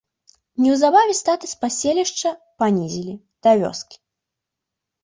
Неўзабаве статус паселішча панізілі да вёскі.